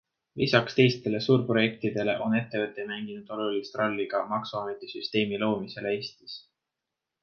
Lisaks teistele suurprojektidele on ettevõte mänginud olulist rolli ka maksuameti süsteemi loomisel Eestis.